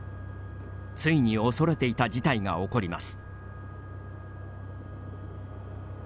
ついに恐れていた事態が起こります。